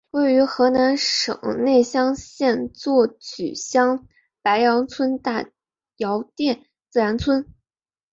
位于河南省内乡县乍曲乡白杨村大窑店自然村。